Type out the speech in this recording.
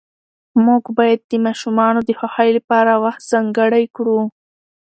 موږ باید د ماشومانو د خوښۍ لپاره وخت ځانګړی کړو